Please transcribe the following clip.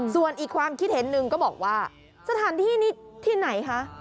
ส่วนอีกความคิดเห็นหนึ่งก็บอกว่าสถานที่นี้ที่ไหนคะ